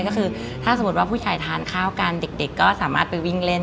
ก็คือถ้าสมมุติว่าผู้ชายทานข้าวกันเด็กก็สามารถไปวิ่งเล่น